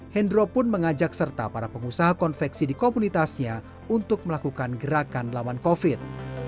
hendro pun mengajak serta para pengusaha konveksi di komunitasnya untuk melakukan gerakan lawan covid